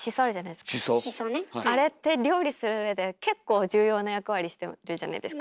あれって料理する上で結構重要な役割してるじゃないですか。